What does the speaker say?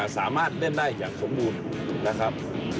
สามารถเล่นได้อย่างสมบูรณ์นะครับ